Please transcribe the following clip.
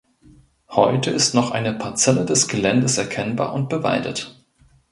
Heute ist noch eine Parzelle des Geländes erkennbar und bewaldet.